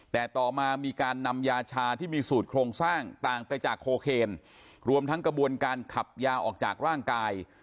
แต่ต่อมามีการนำยาชาที่มีสูตรโครงสร้างต่างไปจากโคเคนรวมทั้งกระบวนการขับยาออกจากร่างกาย